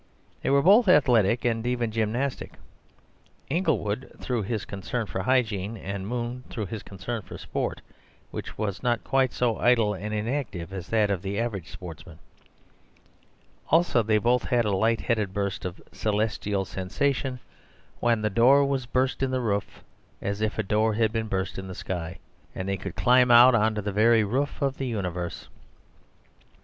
They were both athletic, and even gymnastic; Inglewood through his concern for hygiene, and Moon through his concern for sport, which was not quite so idle and inactive as that of the average sportsman. Also they both had a light headed burst of celestial sensation when the door was burst in the roof, as if a door had been burst in the sky, and they could climb out on to the very roof of the universe.